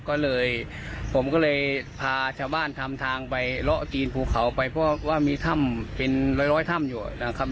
ก็เลยผมก็เลยพาชาวบ้านทำทางไปเลาะตีนภูเขาไปเพราะว่ามีถ้ำเป็นร้อยถ้ำอยู่นะครับ